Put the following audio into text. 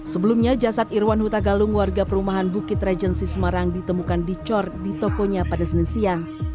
sebelumnya jasad irwan huta galung warga perumahan bukit regensi semarang ditemukan dicor di tokonya pada senin siang